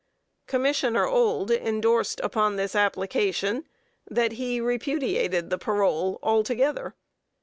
Commissioner Ould indorsed upon this application that he repudiated the parole altogether.